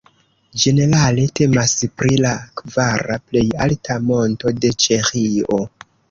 Ĝenerale temas pri la kvara plej alta monto de Ĉeĥio.